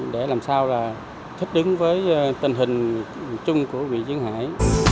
để làm sao là thích đứng với tình hình chung của huyện duyên hải